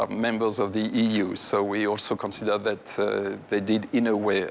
แต่ที่สิ่งที่สงสัยเป็นสิ่งที่สงสัย